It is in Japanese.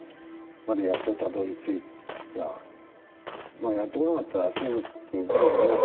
まあやってこなかったら「ａｓｙｎｃ」も見えなかった。